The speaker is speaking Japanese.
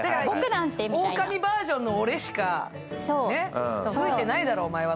オオカミバージョンの俺しか好いてないだろうと。